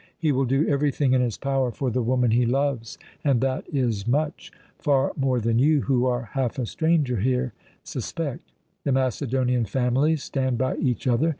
"He will do everything in his power for the woman he loves, and that is much far more than you, who are half a stranger here, suspect. The Macedonian families stand by each other.